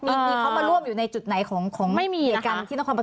มีเขามันร่วมอยู่ในจุดไหนของอีกอย่าง